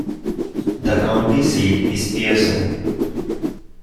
The county seat is Pearson.